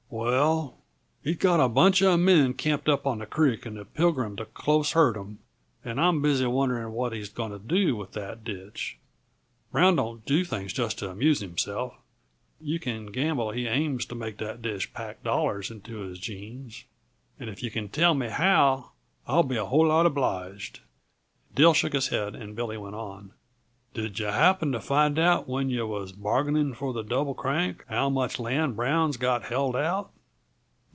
"Well, he's got a bunch uh men camped up the creek and the Pilgrim to close herd 'em and I'm busy wondering what he's going to do with that ditch. Brown don't do things just to amuse himself; yuh can gamble he aims to make that ditch pack dollars into his jeans and if yuh can tell me how, I'll be a whole lot obliged." Dill shook his head, and Billy went on. "Did yuh happen to find out, when yuh was bargaining for the Double Crank, how much land Brown's got held out?"